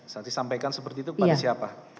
nanti sampaikan seperti itu kepada siapa